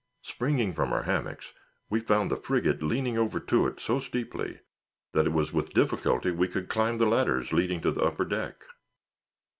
Springing from our hammocks, we found the frigate leaning over to it so steeply, that it was with difficulty we could climb the ladders leading to the upper deck.